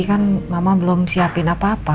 kan mama belum siapin apa apa